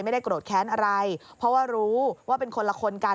ไม่ได้โกรธแค้นอะไรเพราะว่ารู้ว่าเป็นคนละคนกัน